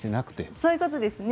そういうことですね。